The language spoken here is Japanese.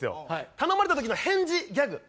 頼まれた時の返事ギャグ。